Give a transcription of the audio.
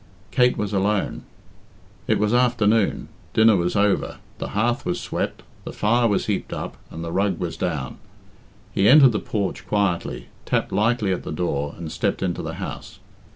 Kate was alone. It was afternoon; dinner was over, the hearth was swept, the fire was heaped up, and the rug was down. He entered the porch quietly, tapped lightly at the door, and stepped into the house.